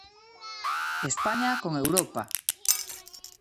España con Europa!